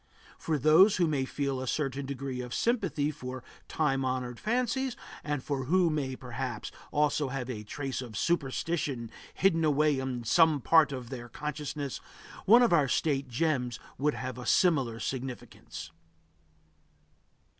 For those who may feel a certain degree of sympathy for time honored fancies, and who may perhaps also have a trace of superstition hidden away in some part of their consciousness, one of our State gems would have a similar significance.